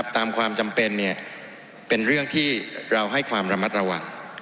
ความจำเป็นเป็นเรื่องที่เราให้ความระมัดระวัง